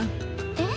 えっ？